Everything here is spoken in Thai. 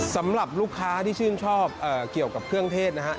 สำหรับลูกค้าที่ชื่นชอบเกี่ยวกับเครื่องเทศนะฮะ